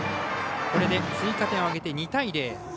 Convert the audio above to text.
これで、追加点を挙げて２対０。